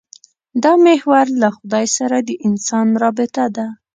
دا محور له خدای سره د انسان رابطه ده.